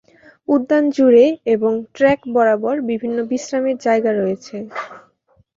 উদ্যান জুড়ে এবং ট্র্যাক বরাবর বিভিন্ন বিশ্রামের জায়গা রয়েছে।